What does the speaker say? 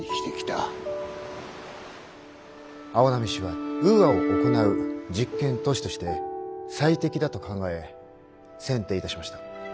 市はウーアを行う実験都市として最適だと考え選定いたしました。